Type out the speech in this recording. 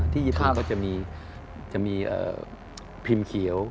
ญี่ปุ่นก็จะมีพิมพ์เขียว